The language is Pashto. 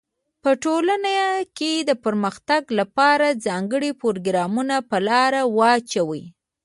په ټولنه کي د پرمختګ لپاره ځانګړي پروګرامونه په لاره واچوی.